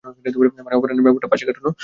মানে, অপহরণের ব্যাপারটা পাশ কাটানো যাবে।